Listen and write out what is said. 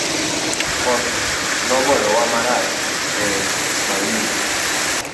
Koth nogoyo wa marach e mawingo.